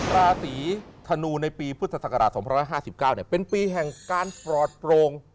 ลาสีธานูในปีพฤษฎษคราส๒๕๙เป็นปีแห่งการประวง